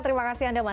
terima kasih pak samri